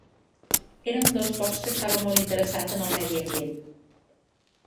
Era un dels pocs que estava molt interessat en el medi ambient.